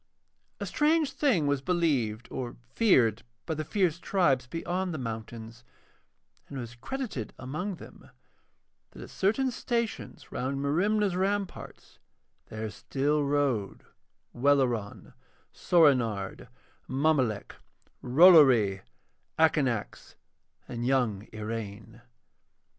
A strange thing was believed or feared by the fierce tribes beyond the mountains, and it was credited among them that at certain stations round Merimna's ramparts there still rode Welleran, Soorenard, Mommolek, Rollory, Akanax, and young Iraine.